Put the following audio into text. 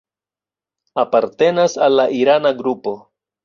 Apartenas al la irana grupo.